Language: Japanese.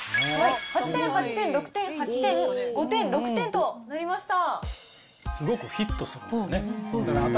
８点８点６点８点５点６点となりました。